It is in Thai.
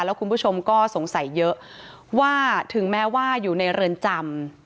แล้วคุณผู้ชมก็สงสัยเยอะว่าถึงแม้ว่าอยู่ในเรือนจำ